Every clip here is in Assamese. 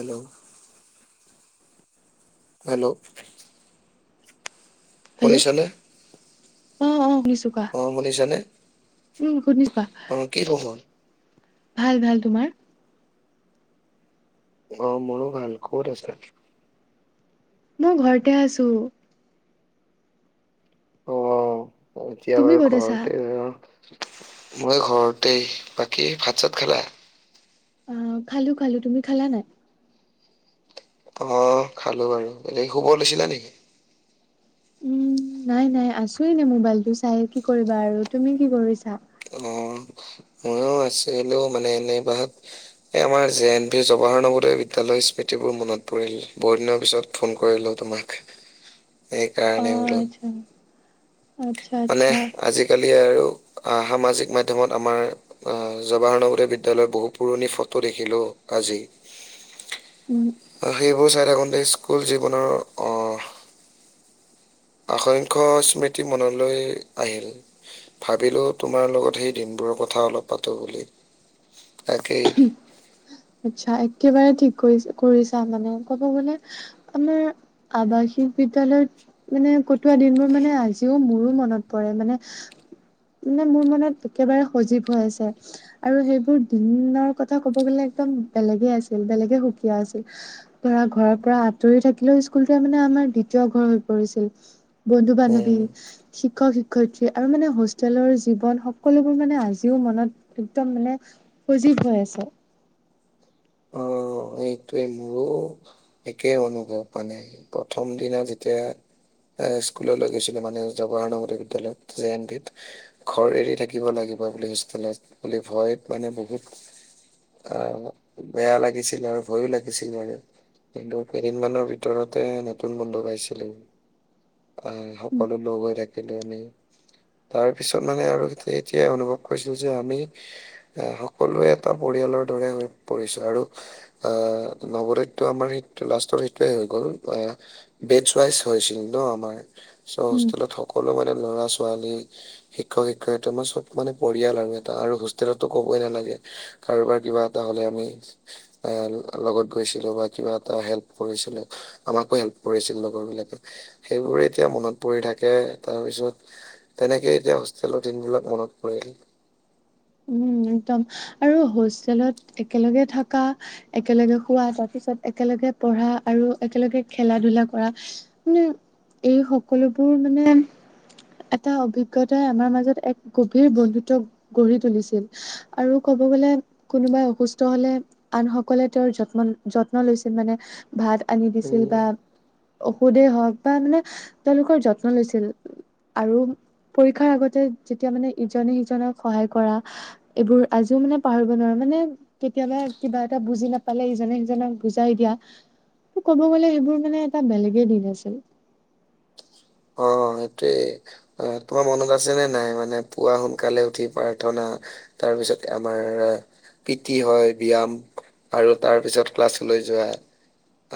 হেল্ল' হেল্ল', হেল্ল' শুনিছা নে? অ', অ', শুনিছো। কোৱা অ, শুনিছা নে উম শুনিছো অ, কি খবৰ? ভাল-ভাল তোমাৰ? অ, মোৰো ভাল কত আছা? মই ঘৰতে আছো। উম, এতিয়া তুমি বাৰু ক'ত আছা ঘৰতে [unintelligible] মই ঘৰতেই বাকী ভাত চাত খালা? অ, খালো-খালো তুমি খালা নাই? অ, খালো বাৰু এনেই শুব লৈছিলা নেকি? উম নাই নাই আছোএনে মোবাইলটো চাই কি কৰিবা আৰু তুমি কি কৰিছা? অ ময়ো আছো এনৈ মানে এনেই বাহাত এই আমাৰ জে এন ভি জৱাহৰ নৱোদয়ৰ বিদ্যালয়ৰ স্মৃতিবোৰ মনত পৰিল বহুত দিনৰ পিছত ফোন কৰিলো তোমাক অ সেইকাৰণে বুলো [inaudible] মানে আচ্ছা আজিকালি আৰু সামাজিক মাধ্যয়মত আমাৰ আহ জৱাহৰনগৰৱ বিদ্যালয়ৰ বহুত পুৰণি ফটো দেখিলো আজি [inaudible] সেইবোৰ চাই থাকোঁতে স্কুল জীৱনৰ অসংখ্য স্মৃতি মনলৈ আহিল ভাবিলোঁ তোমাৰ লগত সেই দিনবোৰৰ কথা অলপ পাতো বুলি তাকেই আচ্ছা একেবাৰে ঠিক কৰি কৰিছা মানে ক'ব গলে আমাৰ আৱাসিক বিদ্যয়ালয়ত মানে কটোৱা দিনবোৰ মানে আজিও মোৰো মনত পৰে মানে মানে মোৰ মনত একেবাৰে সজীৱ হৈ আছে আৰু সেইবোৰ দিনৰ কথা ক'ব গ'লে একদম বেলেগে আছিল বেলেগে সুকীয়া আছিল ধৰা ঘৰৰ পৰা আঁতৰি থাকিলেও স্কুলটোৱে মানে আমাৰ দ্বিতীয় ঘৰ হৈ পৰিছিল বন্ধু বান্ধৱী উম। শিক্ষক শিক্ষয়িত্ৰী আৰু মানে হোষ্টেলৰ জীৱন সকলোবোৰ মানে আজিও মনত একদম মানে সজীৱ হৈ আছে। অ এইটোৱে মোৰো একেই অনুভৱ মানে প্ৰথম দিনা যেতিয়া এ স্কুললৈ গৈছিলো মানে জৱৰণ বিদ্যালয়ত জে এনটিত ঘৰ এৰি থাকিব লাগিব বুলি হোষ্টেলত বুলি ভয় মানে বহুত অ বেয়া লাগিছিল আৰু ভয়ো লাগিছিল মান কিন্তু কেইদিনমানৰ ভিতৰতে নতুন বন্ধু পাইছিলে আহ সকলো লগ হৈ থাকিলো আনে তাৰ পিছত মানে আৰু এতিয়া অনুভৱ কৰিছোঁ যে আমি আহ সকলোৱে এটা পৰিয়ালৰ দৰে হৈ পৰিছে আৰু আহ নৱদতটো আমাৰ সেইটো লাষ্টৰ সেইটোৱে হৈ গ'ল আহ বেড ৱাইচ হৈছিল ন আমাৰ চ উম। হোষ্টেলত সকলো মানে ল'ৰা ছোৱালী শিক্ষক শিক্ষয়িত মই চব মানে পৰিয়াল আৰু এটা আৰু হোষ্টেলতো ক'বই নালাগে কাৰোবাৰ কিবা এটা হ'লে আ এ লগত গৈছিলো বা কিবা এটা হেল্প কৰিছিলো আমাকো হেল্প কৰিছিল লগৰ বিলাকে সেইবোৰে এতিয়া মনত পৰি থাকে তাৰপিছত তেনেকে এতিয়া হোষ্টেলৰ দিনবিলাক মনত পৰিল। উম একদম আৰু হোষ্টেলত একেলগে থকা একেলগে খোৱা তাৰপিছত একেলগে পঢ়া আৰু একেলগে খেলা ধূলা কৰা মানে এই সকলোবোৰ মানে এটা অভিজ্ঞতাই আমাৰ মাজত এক গভীৰ বন্ধুত্ব গঢ়ি তুলিছিল আৰু ক'ব গ'লে কোনোবাই অসুস্থ হলে আন সকলে তেওঁৰ যত্ন যত্ন লৈছিল মানে ভাত আনি দিছিল উম বা ঔষুধেই হওক বা মানে তেওঁলোকৰ যত্ন লৈছিল আৰু পৰীক্ষাৰ আগতে যেতিয়া মানে ইজনে সিজনক সহায় কৰা এইবোৰ আজিও মানে পাহৰিব নোৱাৰো মানে কেতিয়াবা কিবা এটা বুজি নাপালে ইজনে সিজনক বুজাই দিয়া ত ক'ব গ'লে সেইবোৰ মানে এটা বেলেগে দিন আছিল অ সেইটোৱেই হয় তোমাৰ মনত আছে নে নাই মানে পুৱা সোনকালে উঠি প্ৰাৰ্থনা তাৰপিছত আমাৰ পিটি হয় ব্যয়ায়াম আৰু তাৰ পিছত ক্লাছলৈ যোৱা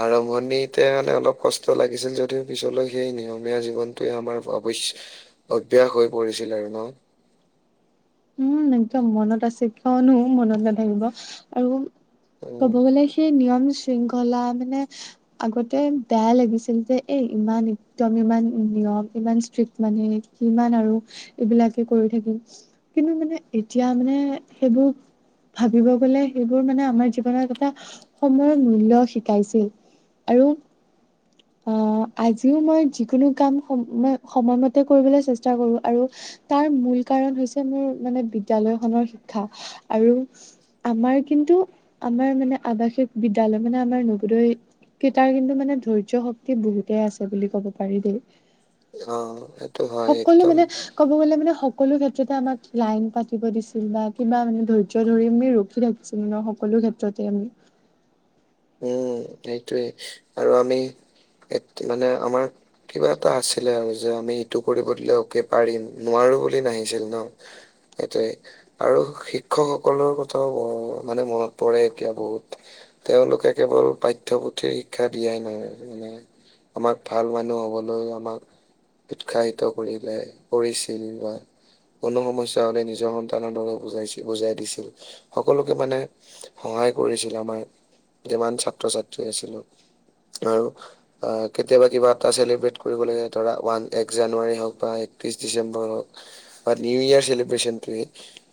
আৰম্ভণিতে মানে অলপ কষ্ট লাগিছিল যদিও পিছলৈ সেইয় নিয়ম ধীয়া জীৱনটোৱে আমাৰ অৱশ্যে অভ্য়াস হৈ পৰিছিল ন উম একদম মনত আছে কিয়নো মনত নাথাকিব আৰু ক'ব উম গ'লে সেই নিয়ম শৃংখলা মানে আগতে বেয়া লাগিছিল যে এ ইমান এক্দম ইমান নিয়ম ইমান ষ্ট্ৰিক্ট মানে সমান আৰু এইবিলাকে কৰি থাকিম কিন্তু মানে এতিয়া মানে সেইবোৰ ভাবিব গ'লে সেইবোৰ মানে আমাৰ জীৱনত এটা সময়ৰ মূল্য শিকাইছিল আৰু [unintelligible] অ আজিও মই যিকোনো কাম ম সময়মতে কৰিবলৈ চেষ্টা কৰো আৰু তাৰ মূল কাৰণ হৈছে মোৰ মানে বিদ্যয়ালয়খনৰ শিক্ষা আৰু আমাৰ কিন্তু আমাৰ মানে আৱাসিক বিদ্যালয় মানে আমাৰ নবোদয় ক তাৰ কিন্তু মানে ধৈৰ্য শক্তি বহুতেই আছে বুলি ক'ব পাৰি দেই অ সেইটো হয় সকলো একদম মানে ক'ব গলে মানে সকলো ক্ষেত্ৰতে আমাক লাইন পা [unintelligible] দিছিল বা কিবা মানে ধৈৰ্য ধৰি আমি ৰখি থাকিছিলো ন সকলো ক্ষেত্ৰতে আমি উম সেইটোৱে আৰু আমি মানে আমাৰ কিবা এটা আছিলে আৰু যে আমি ইটো কৰিব দিলে এককে পাৰিম নোৱাৰো বুলি নাহিছিল ন সেইটোৱে আৰু শিক্ষকসকলৰ কথাও ব মানে মনত পৰে এতিয়া বহুত তেওঁলোক কেৱল পাঠ্যপুথিৰ শিক্ষা দিয়াই নহয় ম আমাক ভাল মানুহ হ'বলৈ আমাক উৎসাহিত কৰিলে কৰিছিল বা কোনো সমস্যা হলে নিজৰ সন্তানৰ দ বুজাই বুজাই দিছিল সকলোকে মানে সহায় কৰিছিল আমাৰ যিমান ছাত্ৰ ছাত্ৰী আছিলো তাৰু অ কেতিয়াবা কিবা এটা চেলিব্ৰেট কৰিব লাগে ধৰা ওৱান এক জানুৱাৰী হওঁক বা একত্ৰিশ ডিচেম্বৰ হওঁক বা নিউ ইয়াৰ চেেলিব্ৰেশনটো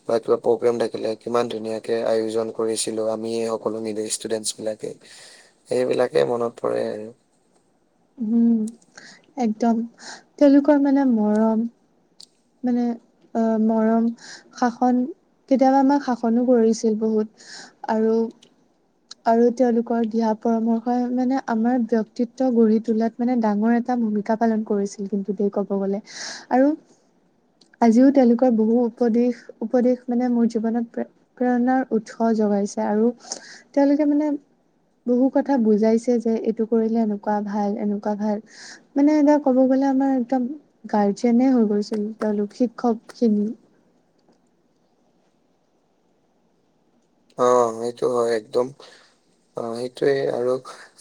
বা কিবা প্ৰগ্ৰেম থাকিলে কিমান ধুনীয়াকে আয়োজন কৰিছিলো আমি সকলো [unintelligible] ষ্টুডেন্ট বিলাকে সেইবিলাকে মনত পৰে আৰু উম একদম তেওঁলোকৰ মানে মৰম মানে অ মৰম শাসন কেতিয়াবা আমাক শাসনো কৰিছিল বহুত আৰু আৰু তেওঁলোকৰ দিয়া পৰামৰ্শই মানে আমাৰ ব্যক্তিত্ব গঢ়ি তোলাত মানে ডাঙৰ এটা ভূমিকা পালন কৰিছিল কিন্তু দে ক'ব গ'লে আৰু আজিও তেওঁলোকৰ বহু উপদেশ উপদেশ মানে মোৰ জীৱনতে প্ৰেৰণাৰ উৎস যগাইছে আৰু তেওঁলোকে মানে [unintelligible] বহু কথা বুজাইছে যে এইটো কৰিলে এনেকুৱা ভাল এনেকুৱা ভাল মানে এটা ক'ব গ'লে আমাৰ একদম গাৰ্জেনে হৈ গৈছিল তেওঁলোক শিক্ষক খিনি অ সেইটো হয় একদম অ সেইটোৱে আৰু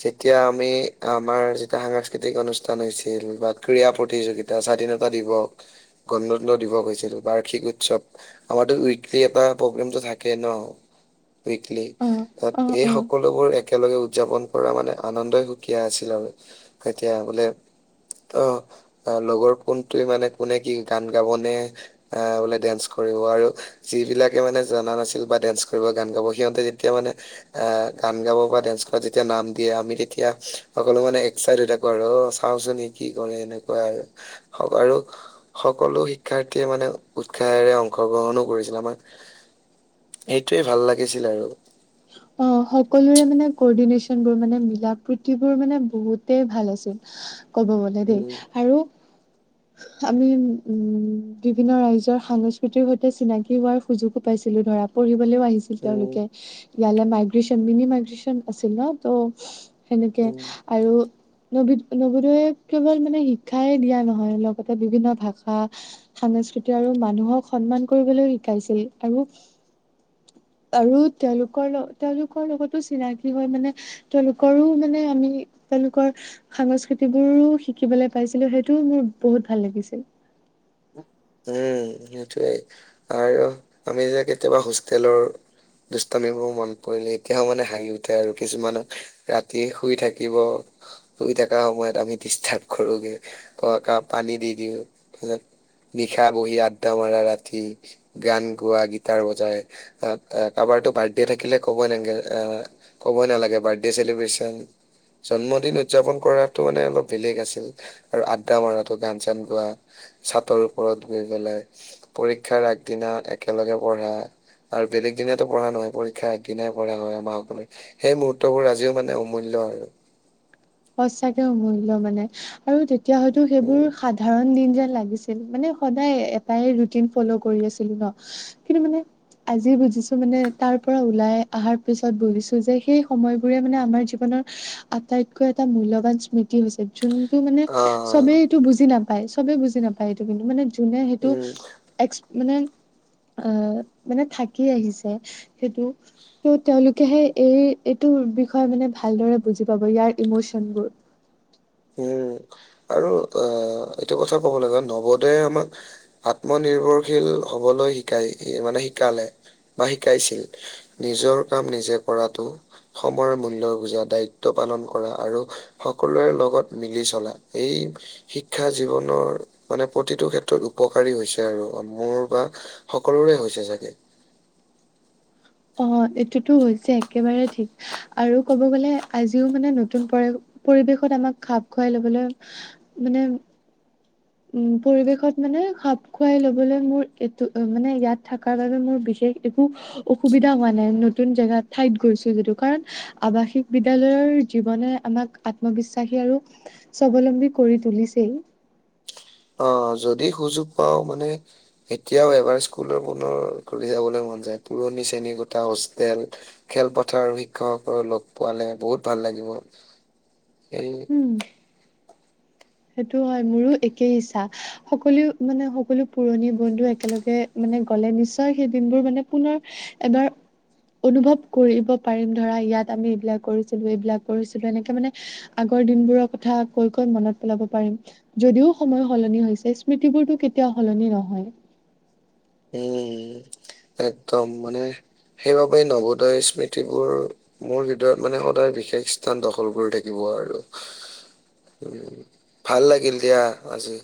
যেতিয়া আমি আমাৰ যেতিয়া সাংস্কৃতিক অনুষ্ঠান হৈছিল বা ক্ৰীড়া প্ৰতিযোগিতা তা স্বাধীনতা দিৱস গণতন্ত্ৰ দিৱস হৈছিল বাৰ্ষিক উৎসৱ আমাৰতো উইকলি এটা প্ৰগ্ৰেমটো থাকে ন উইকলি অ তাত অ এই অ সকলোবোৰ একেলগে উদযাপন কৰা মানে আনন্দই সুকীয়া আছিল আৰু এতিয়া বোলে অ অ লগৰ কোনটোৱে মানে কোনে কি গান গাবনে আহ বোলে ডেন্স কৰিব আৰু যিবিলাকে মানে জনা নাছিল বা ডেন্স কৰিব গান গাব সিহঁতে যেতিয়া মানে আহ গান গাব বা ডেন্স কৰা যেতিয়া নাম দিয়ে আমি তেতিয়া সকলো মানে চাইড হৈ থাকো আৰু অ চাওচোন সি কি কৰে এনেকুৱা আৰু হব আৰু সকলো শিক্ষাৰ্থীয়ে মানে উৎসাহেৰে অংশগ্ৰহণো কৰিছিল আমাৰ সেইটোৱেই ভাল লাগিছিল আৰু অ সকলোৰে মানে কৰ্ডিনেশচন বোৰ মানে মিলা প্ৰীতিবোৰ মানে বহুতেই ভাল আছিল ক'ব গলে দেই উম আৰু [inaudible] আমি উম বিভিন্ন ৰাইজৰ সাংস্কৃতিৰ সৈতে চিনাকি হোৱাৰ সুযোগো পাইছিলো ধৰা পঢ়িবলৈও আহিছিল উম তেওঁলোকে ইয়ালৈ মাইগ্ৰেচন মিনি মাইগ্ৰ্যন আছিল ন ত' সেনেকে উম আৰু নবি নৱোদয়ে কেৱল মানে শিক্ষাই দিয়া নহয় লগতে বিভিন্ন ভাষা সাংস্কৃতি আৰু মানুহক সন্মান কৰিবলৈ শিকাইছিল আৰু আৰু তেওঁলোক তেওঁলোকৰ তেওঁলোকৰ লগতো চিনাকি হয় মানে তেওঁলোকৰো মানে আমি তেওঁলোকৰ সাংস্কৃতি বোৰো শিকিবলৈ পাইছিলো সেইটো মোৰ বহুত ভাল লাগিছিল উম সেইটোৱেই আৰু আমি যে কেতিয়াবা হোষ্টেলৰ দুষ্টামিবোৰ মনত পৰিলে এতিয়াও মানে হাঁহি উঠে আৰু কিছুমানত ৰাতি শুই থাকিব শুই থকা সময়ত আমি ডিষ্টাৰ্ব কৰোগে ক কা পানী দি দিওঁ তাৰ পিছত নিশা বহি আদ্ডা মাৰা ৰাতি গান গোৱা গীটাৰ বজাই আ কাৰোবাৰতো বাৰ্থডে থাকিলে ক'বই নেলাগে আহ ক'বই নালাগে বাৰ্থডে চেলিব্ৰিচন জন্মদিন উদযাপন কৰাটো মানে অলপ বেলেগ আছিল আৰু আড্ডা মাৰাটো গান চান গোৱা চাদৰ ওপৰত গৈ পেলাই পৰীক্ষাৰ আগদিনা একেলগে পঢ়া আৰু বেলেগ দিনাতো পঢ়া নহয় পৰীক্ষা আগদিনাই পঢ়া হয় আমাৰ অকলে সেই মুহুৰ্তবোৰ আজিও মানে অমূল্য আৰু সচাকে অমূল্য মানে আৰু তেতিয়া হয়তো সেইবোৰ উম সা সাধাৰণ দিন যেন লাগিছিল মানে সদায় এটাই ৰুটিন ফ্ল কৰি আছিলো ন কিন্তু মানে আজি বুজিছো মানে তাৰ পৰা ওলাই অহাৰ পিছত বুজিছো যে সেই সময়বোৰে মানে আমাৰ জীৱনৰ আটাইতকৈ এটা মূল্যবান স্মৃতি হৈছে যোনটো মানে অ চবেই এইটো বুজি নাপায় চবে বুজি নাপায় এইটো কিন্তু মানে যোনে সেইটো উম এক্স মানে আহ মানে থাকি আহিছে সেইটো ত' তেওঁলোকেহে এই এইটোৰ বিষয়ে মানে ভালদৰে বুজি পাব ইয়াৰ ইমচেন বোৰ উম আৰু আহ এইটো কথা কব লাগিব নৱ দাই আমাক আত্মনিৰ্ভৰশীল হবলৈ শিকাই মানে শিকালে বা শিকাইছিল নিজৰ কাম নিজে কৰাটো সময়ৰ মূল্য বুজা দায়িত্ব পালন কৰা আৰু সকলোৰে লগত মিলি চলা এই শিক্ষা জীৱনৰ মানে প্ৰতিটো ক্ষেত্ৰত উপকাৰী হৈছে আৰু মোৰ বা সকলোৰে হৈছে চাগে! অ', এইটোতো হৈছে একেবাৰে ঠিক। আৰু ক'ব গ'লে আজিও মানে নতুন পৰি-পৰিৱেশত আমাক খাপ খুৱাই লবলৈ মানে উ, পৰিৱেশত মানে খাপ খুৱাই লবলৈ মোৰ এইটো মানে ইয়াত থকাৰ বাবে মোৰ বিশেষ একো অসুবিধা হোৱা নাই নতুন জেগাত ঠাইত গৈছো যদিও কাৰণ আৱাসিক বিদ্যলয়ৰ জীৱনে আমাক আত্মবিশ্বাসী আৰু স্বাৱলম্বী কৰি তুলিছেই। অ', যদি সুযোগ পাও মানে এতিয়াও এবাৰ স্কুলৰ পুনৰ ঘূৰি যাবলৈ মন যায় পুৰণি শ্ৰেণীকোঠা হোষ্টেল খেলপথাৰ আৰু শিক্ষকসকল লগ পোৱা হ'লে বহুত ভাল লাগিব এই উম। সেইটো হয়, মোৰো একেই ইচ্ছা। সকলোৱে মানে সকলো পুৰণি বন্ধু একেলগে মানে গ'লে নিশ্চয় সেই দিনবোৰ মানে পুনৰ এবাৰ অনুভৱ কৰিব পাৰিম ধৰা ইয়াত আমি এইবিলাক কৰিছিলো এইবিলাক কৰিছিলো এনেকে মানে আগৰ দিনবোৰৰ কথা কৈ কৈ মনত পেলাব পাৰিম যদিও সময় সলনি হৈছে স্মৃতিবোৰতো কেতিয়াও সলনি নহয়। উম, একদম মানে সেইবাবেই নৱোদয় স্মৃতিবোৰ মোৰ হৃদয়ত মানে সদায় বিশেষ স্থান দখল কৰি থাকিব আৰু। উম, ভাল লাগিল দিয়া আজি।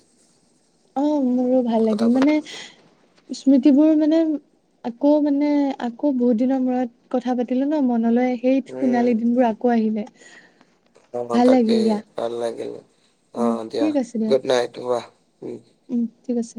অ', মোৰো ভাল কথা লাগিল পাতি মানে স্মৃতিবোৰ মানে আকৌ মানে আকৌ বহুত দিনৰ মূৰত কথা পাতিলো ন' মনলৈ সেই উম সোণালী দিনবোৰ আকৌ আহিলে। অ', ভাল তাকে লাগিল দিয়া ভাল লাগিল উম অ', দিয়া ঠিক আছে দিয়া গুড নাইট শুৱা উম। উম, ঠিক আছে।